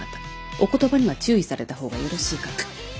お言葉には注意された方がよろしいかと。